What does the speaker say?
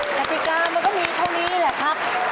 กติกามันก็มีเท่านี้แหละครับ